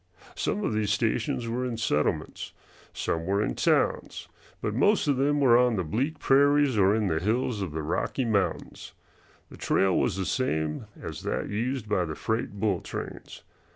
Some of these stations were in settlements, some were in towns, but most of them were on the bleak prairies or in the hills of the Rocky Mountains. The trail was the same as that used by the freight bull trains.